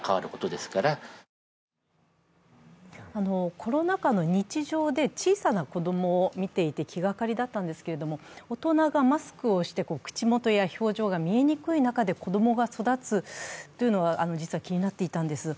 コロナ禍の日常で小さな子供を見ていて気がかりだったんですけれども、大人がマスクをして口元や表情が見えにくい中で子供が育つというのは実は気になっていたんです。